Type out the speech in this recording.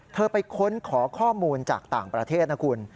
เธอไปค้นขอข้อมูลจากต่างประเทศนะคุณ